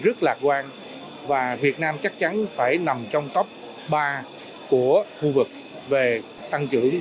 rất lạc quan và việt nam chắc chắn phải nằm trong tốc ba của khu vực về tăng trưởng